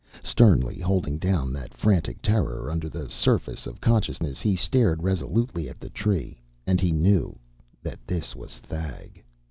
Sternly holding down that frantic terror under the surface of consciousness, he stared resolutely at the Tree. And he knew that this was Thag.